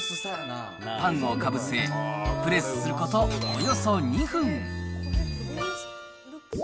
パンをかぶせ、プレスすることおよそ２分。